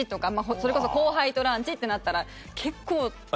それこそ後輩とランチってなったら結構。